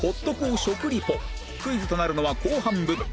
クイズとなるのは後半部分